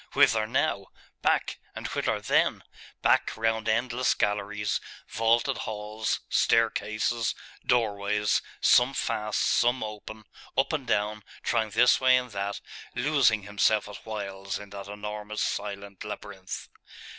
Whither now? Back and whither then? Back, round endless galleries, vaulted halls, staircases, doorways, some fast, some open, up and down, trying this way and that, losing himself at whiles in that enormous silent labyrinth.